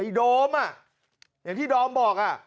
ไอ้โดมอย่างที่โดมบอก